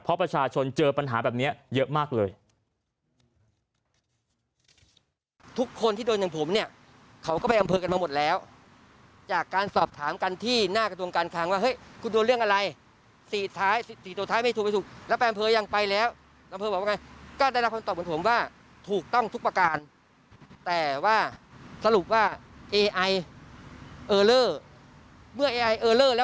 เพราะประชาชนเจอปัญหาแบบนี้เยอะมากเลย